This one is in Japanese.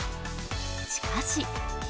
しかし。